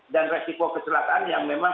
dan resiko keselakannya memang